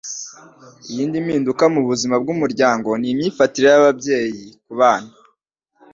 Iyindi mpinduka mubuzima bwumuryango ni imyifatire yababyeyi kubana.